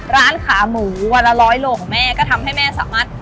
ร้านขาหมูวันละร้อยโลของแม่ก็ทำให้แม่สามารถ